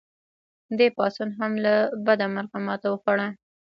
دې پاڅون هم له بده مرغه ماته وخوړه.